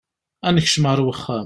Ad nekcem ar wexxam.